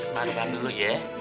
marahkan dulu ya